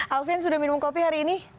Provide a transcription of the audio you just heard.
alvin sudah minum kopi hari ini